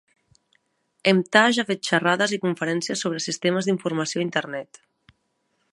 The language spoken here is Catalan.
Emtage ha fet xerrades i conferències sobre sistemes d'informació a Internet.